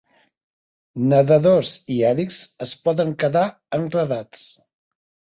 Nadadors i hèlix es poden quedar enredats.